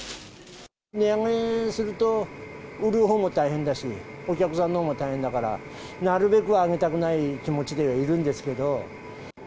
値上げすると、売るほうも大変だし、お客さんのほうも大変だから、なるべく上げたくない気持ちではいるんですけど。